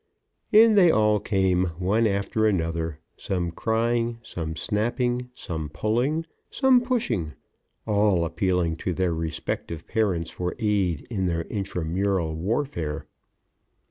In they all came, one after another, some crying, some snapping, some pulling, some pushing all appealing to their respective parents for aid in their intra mural warfare.